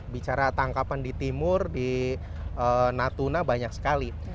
bicara tangkapan di timur di natuna banyak sekali